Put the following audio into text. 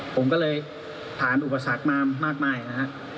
ผมก็เลยผ่านอุปสรรคมากนะครับ